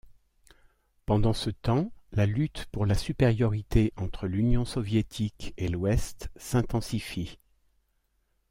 Pendant ce temps, la lutte pour la supériorité entre l’Union soviétique et l’Ouest s’intensifie.